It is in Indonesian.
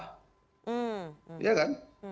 hmm iya kan